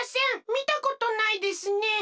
みたことないですね。